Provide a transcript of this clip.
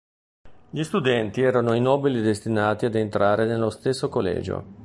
Gli studenti erano i nobili destinati ad entrare nello stesso collegio.